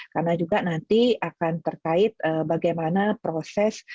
karena juga nanti akan terkait bagaimana proses